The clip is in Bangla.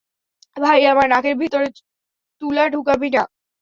ভাই, আমার নাকের ভিতরে তুলা ঢুকাবি না।